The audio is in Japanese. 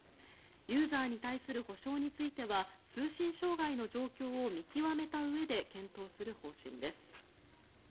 ユーザーに対する補償については通信障害の状況を見極めたうえで検討する方針です。